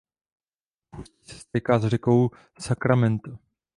V ústí se stéká s řekou Sacramento.